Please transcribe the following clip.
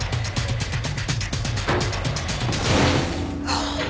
ああ。